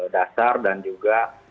dasar dan juga